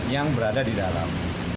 yang berada di dalam